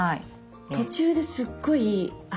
途中ですっごいあ